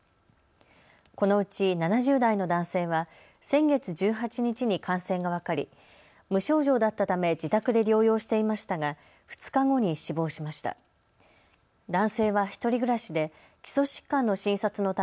このうち７０代の男性は先月１８日に感染が分かり無症状だったため自宅で療養していましたが２日後に死亡しました。